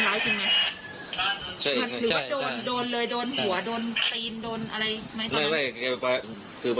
หรือไม่มีการทำร้ายกันเกิดขึ้นนะฮะ